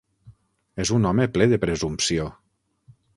És un home ple de presumpció.